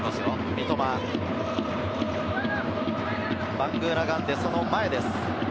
三笘、バングーナガンデ、その前です。